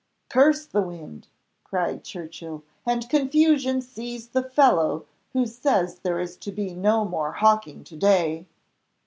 "Curse the wind!" cried Churchill; "and confusion seize the fellow who says there is to be no more hawking to day!"